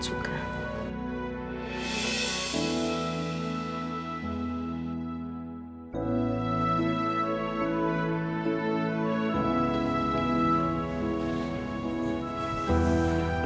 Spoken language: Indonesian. terima kasih ya